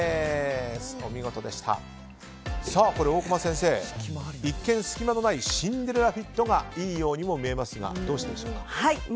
大熊先生、一見隙間がないシンデレラフィットがいいようにも見えますがどうしてでしょうか。